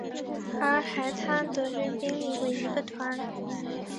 而海滩德军兵力为一个团。